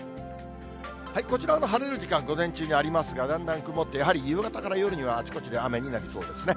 こちらは晴れる時間、午前中にありますが、だんだん曇って、やはり夕方から夜には、あちこちで雨になりそうですね。